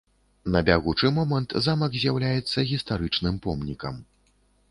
На бягучы момант замак з'яўляецца гістарычным помнікам.